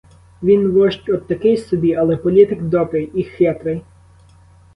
Він вождь от такий собі, але політик добрий і — хитрий.